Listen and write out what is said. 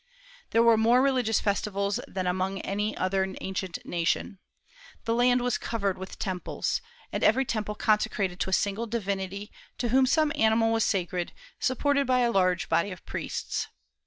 There were more religious festivals than among any other ancient nation. The land was covered with temples; and every temple consecrated to a single divinity, to whom some animal was sacred, supported a large body of priests.